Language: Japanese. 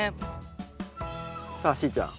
さあしーちゃん